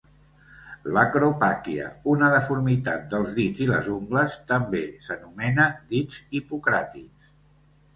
L'acropàquia, una deformitat dels dits i les ungles, també s'anomena dits hipocràtics.